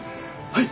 はい。